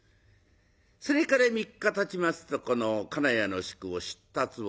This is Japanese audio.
それから３日たちますとこの金谷の宿を出立をする。